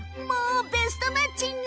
ベストマッチング！